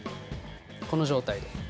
この状態で。